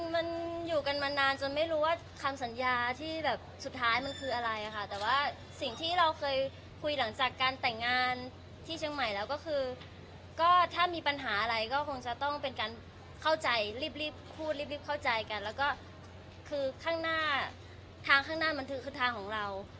มันอยู่กันมานานจนไม่รู้ว่าคำสัญญาที่แบบสุดท้ายมันคืออะไรค่ะแต่ว่าสิ่งที่เราเคยคุยหลังจากการแต่งงานที่เชียงใหม่แล้วก็คือก็ถ้ามีปัญหาอะไรก็คงจะต้องเป็นการเข้าใจรีบพูดรีบเข้าใจกันแล้วก็คือข้างหน้าทางข้างหน้ามันคือทางของเรา